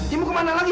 ya mau kemana lagi